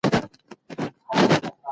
خلګ د سياسي بهير څخه بېل نه دي ساتل سوي.